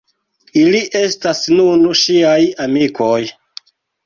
Ili estas nun ŝiaj amikoj.